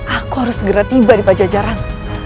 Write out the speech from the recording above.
aku harus segera tiba di pajajaran